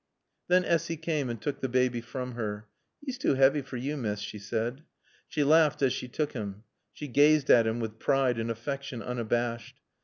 Then Essy came and took the baby from her. "'E's too 'eavy fer yo', Miss," she said. She laughed as she took him; she gazed at him with pride and affection unabashed.